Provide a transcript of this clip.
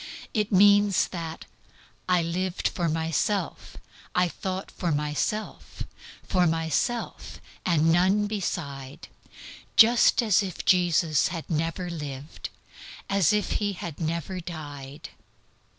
It means that "I lived for myself, I thought for myself, For myself, and none beside Just as if Jesus had never lived, As if He had never died."